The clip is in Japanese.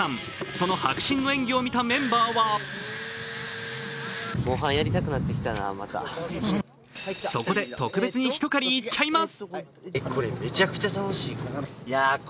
その迫真の演技を見たメンバーはそこで、特別にひと狩りいっちゃいます。